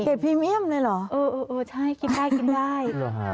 เกรดพรีเมี่ยมได้เหรอเออใช่กินได้